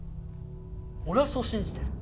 俺はそう信じてる。